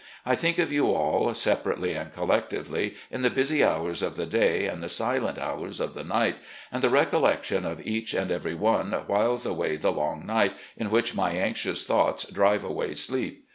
I think of you all, separately and col lectively, in the busy hours of the day and the silent hours of the night, and the recollection of each and every one whiles away the long night, in which my anxious thoughts drive away sleep.